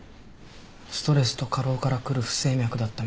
ストレスと過労からくる不整脈だったみたい。